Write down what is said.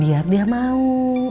belum ada kau